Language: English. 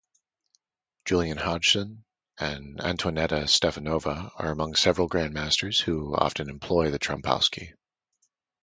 Julian Hodgson and Antoaneta Stefanova are among several grandmasters who often employ the Trompowsky.